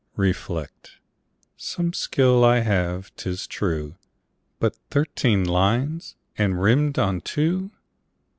Reflect. Some skill I have, 'tis true; But thirteen lines! and rimed on two!